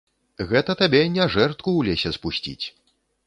Гэта табе не жэрдку ў лесе спусціць.